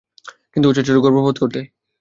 কিন্তু ও চাচ্ছিল গর্ভপাত করতে।